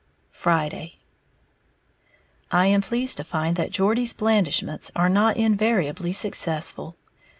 Friday. I am pleased to find that Geordie's blandishments are not invariably successful.